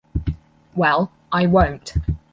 Well, I won't.